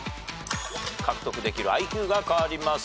獲得できるＩＱが変わります。